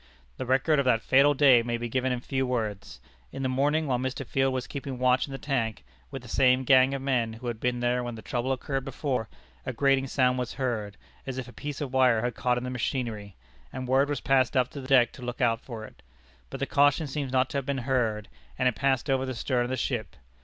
The record of that fatal day may be given in few words. In the morning, while Mr. Field was keeping watch in the tank, with the same gang of men who had been there when the trouble occurred before, a grating sound was heard, as if a piece of wire had caught in the machinery, and word was passed up to the deck to look out for it; but the caution seems not to have been heard, and it passed over the stern of the ship.